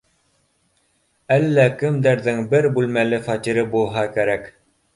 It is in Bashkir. Әллә кемдәрҙең бер бүлмәле фатиры булһа кәрәк